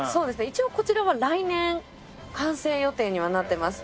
一応こちらは来年完成予定にはなっています。